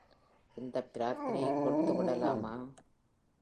இந்த பிரார்த்தனையைக் கொடுத்து விடலாமா...?